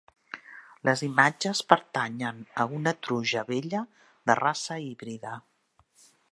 Les imatges pertanyen a una truja vella de raça híbrida.